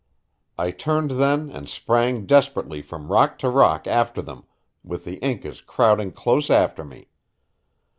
I turned then and sprang desperately from rock to rock after them, with the Incas crowding close after me.